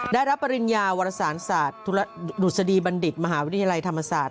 ได้รับปริญญาวรสารศาสตร์ธุรดุษฎีบัณฑิตมหาวิทยาลัยธรรมศาสตร์